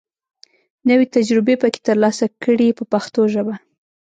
نوې تجربې پکې تر لاسه کړي په پښتو ژبه.